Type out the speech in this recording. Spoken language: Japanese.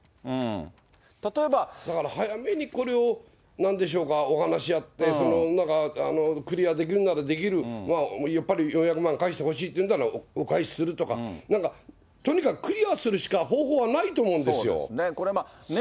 だから早めにこれを、なんでしょうか、お話し合ってクリアできるならできる、やっぱり４００万円返してほしいっていうなら、お返しするとか、とにかくクリアするしか方法がないと思うんですよ。